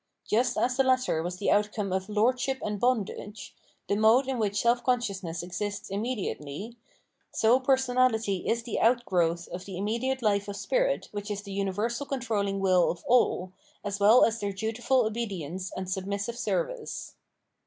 Just as the latter was the outcome of "Lordship and Bondage,"* the mode in which self consciousness exists immediately, — so personality is the outgrowth of the immediate hfe of spkit which is the universal controlhng will of all, as well as their dutiful obedience and submissive service.